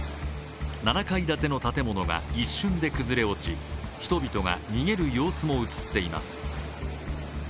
７階建ての建物が一瞬で崩れ落ち人々が逃げる様子も映っています。